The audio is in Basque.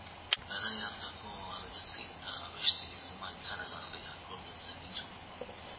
Garai hartako argazki eta abesti bilduma ikaragarria gordetzen ditu.